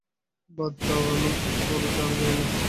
বাদ দাও, এমন কিছু বলো যা আমি জানি না।